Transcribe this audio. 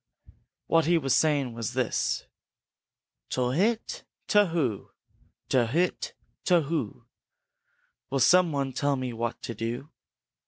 What he was saying was this: "Towhit, towhoo! Towhit, towhoo! Will some one tell me what to do?